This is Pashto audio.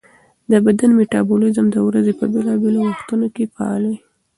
د بدن میټابولیزم د ورځې په بېلابېلو وختونو کې فعال وي.